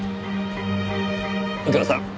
右京さん